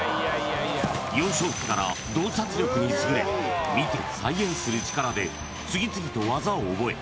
幼少期から洞察力に優れ見て再現する力で次々と技を覚え